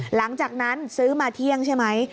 หลังจากนั้นซื้อมาเที่ยงใช่ไหม